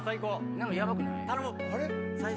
何かヤバくない？